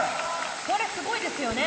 これすごいですよね。